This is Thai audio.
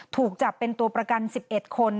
ถูกจับเป็นตัวประกัน๑๑คน